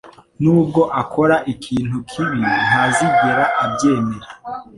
Nubwo akora ikintu kibi, ntazigera abyemera.